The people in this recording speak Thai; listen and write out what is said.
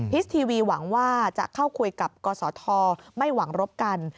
ทีวีหวังว่าจะเข้าคุยกับกศธไม่หวังรบกัน